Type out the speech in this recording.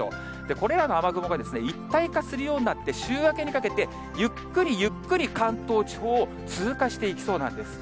これらの雨雲が一体化するようになって、週明けにかけて、ゆっくりゆっくり関東地方を通過していきそうなんです。